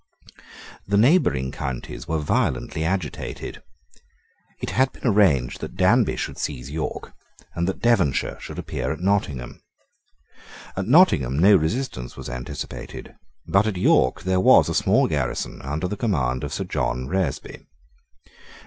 The neighbouring counties were violently agitated. It had been arranged that Danby should seize York, and that Devonshire should appear at Nottingham. At Nottingham no resistance was anticipated. But at York there was a small garrison under the command of Sir John Reresby.